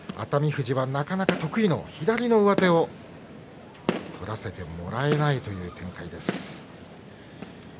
富士はなかなか得意の左の上手を取らせてもらえないという展開です。